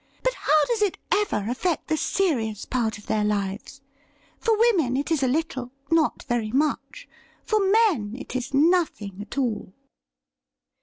But how does it ever affect the serious part of their lives ? For women it is a little — not very much ; for men it is nothing at all.'